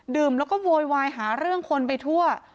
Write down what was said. แล้วก็โวยวายหาเรื่องคนไปทั่ว